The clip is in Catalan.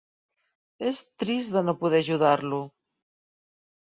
És trist de no poder ajudar-lo!